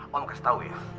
om kasih tau ya